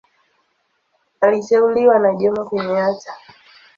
Aliteuliwa na Jomo Kenyatta.